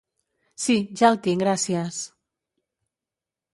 Si, ja el tinc gracies.